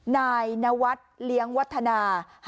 นายนวัฒน์เลี้ยงวัฒนา